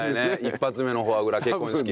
一発目のフォアグラ結婚式。